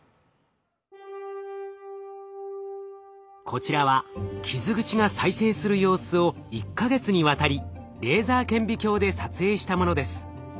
こちらは傷口が再生する様子を１か月にわたりレーザー顕微鏡で撮影したものです。